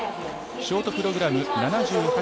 ショートプログラム